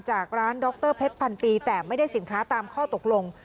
จากร้านดรเพชรพันปีแต่ไม่ได้สินค้าตามข้อตกลง